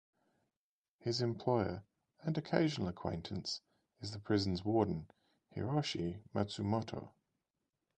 His employer, and occasional acquaintance, is the prison's warden, Hiroshi Matsumoto.